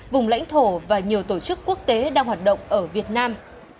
vùng lãnh thổ và nhiều tổ chức quốc tế đang hoạt động ở việt nam